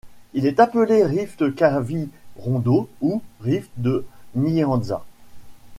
Il est appelé rift Kavirondo ou rift de Nyanza.